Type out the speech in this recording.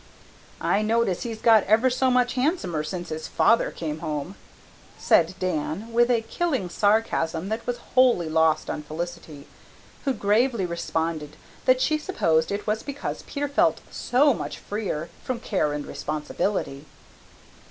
"I notice he's got ever so much handsomer since his father came home," said Dan, with a killing sarcasm that was wholly lost on Felicity, who gravely responded that she supposed it was because Peter felt so much freer from care and responsibility.